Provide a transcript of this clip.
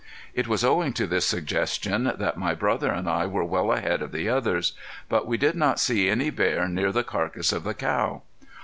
It was owing to this suggestion that my brother and I were well ahead of the others. But we did not see any bear near the carcass of the cow.